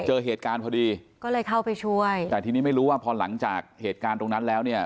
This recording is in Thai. เจอเหตุการณ์พอดีก็เลยเข้าไปช่วยแต่ทีนี้ไม่รู้ว่าพอหลังจากเหตุการณ์ตรงนั้นแล้วเนี่ย